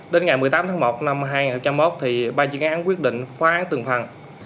đến ngày một mươi tám tháng một năm hai nghìn một ba chiến án quyết định khóa án từng phần